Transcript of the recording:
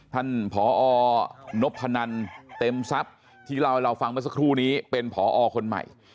ท่านผอนพนันเต็มทรัพย์ที่เล่าให้เราฟังเมื่อสักครู่นี้เป็นผอคนใหม่